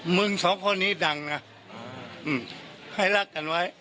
มึงสองคนนี้ดังนะให้รักกันไว้